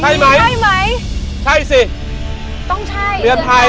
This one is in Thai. ใช่ไหมใช่ไหมใช่สิต้องใช่เรือนไทย